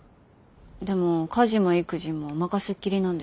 でも家事も育児も任せっきりなんでしょ？